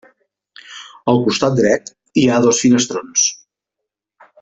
Al costat dret, hi ha dos finestrons.